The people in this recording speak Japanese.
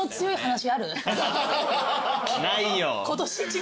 ないよ。